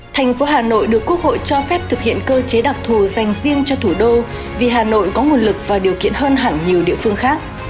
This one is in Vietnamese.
thành phố hà nội được quốc hội cho phép thực hiện cơ chế đặc thù dành riêng cho thủ đô vì hà nội có nguồn lực và điều kiện hơn hẳn nhiều địa phương khác